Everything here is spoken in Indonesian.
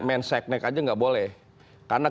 men sack neck aja nggak boleh karena